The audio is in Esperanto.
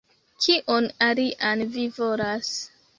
Kion alian vi volas?